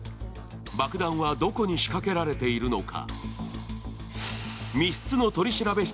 爆弾はどこに仕掛けられているのか。